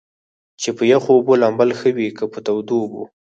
چې پۀ يخو اوبو لامبل ښۀ وي کۀ پۀ تودو اوبو ؟